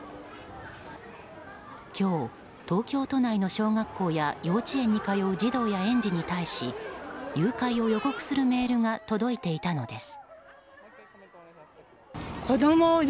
今日、東京都内の小学校や幼稚園に通う児童や園児に対し誘拐を予告するメールが届いていたのです。